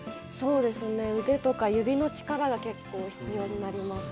腕とか、指の力が結構必要になりますね。